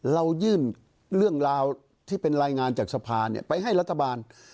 เรายื่นเรื่องราวที่เป็นรายงานจากสภาไปให้รัฐบาล